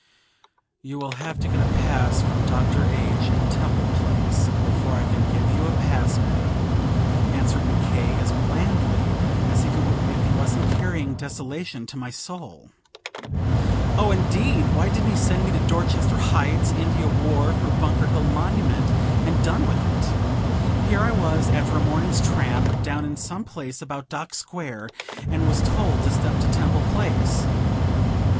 "You will have to get a pass from Dr. H., in Temple Place, before I can give you a pass, madam," answered Mc K., as blandly as if he wasn't carrying desolation to my soul. Oh, indeed! why didn't he send me to Dorchester Heights, India Wharf, or Bunker Hill Monument, and done with it? Here I was, after a morning's tramp, down in some place about Dock Square, and was told to step to Temple Place.